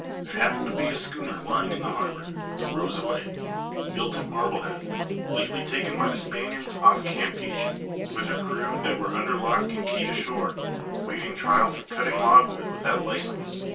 There happened to be a schooner lying in the harbour the Rosaway, built at Marblehead lately taken by the Spaniards off Campeachy, with her crew, that were under lock and key ashore, waiting trial for cutting logwood without licence.